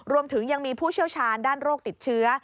รวมถึงยังมีผู้เชี่ยวชาญด้านโรคติดเชื้อ